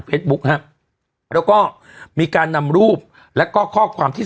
บุ๊คฮะแล้วก็มีการนำรูปแล้วก็ข้อความที่